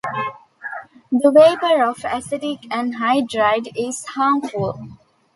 The vapour of acetic anhydride is harmful.